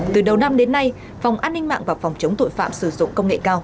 từ đầu năm đến nay phòng an ninh mạng và phòng chống tội phạm sử dụng công nghệ cao